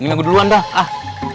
ini gue duluan dah